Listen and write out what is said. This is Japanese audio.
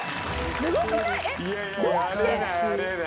すごくない？